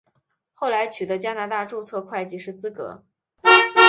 后来取得加拿大注册会计师资格。